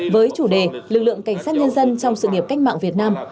với chủ đề lực lượng cảnh sát nhân dân trong sự nghiệp cách mạng việt nam